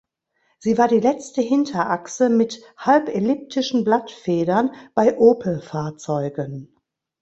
Sie war die letzte Hinterachse mit halbelliptischen Blattfedern bei Opel-Fahrzeugen.